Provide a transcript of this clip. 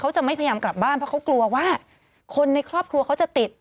จะไม่พยายามกลับบ้านเพราะเขากลัวว่าคนในครอบครัวเขาจะติด